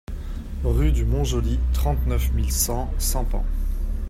Rue du Mont-Joly, trente-neuf mille cent Sampans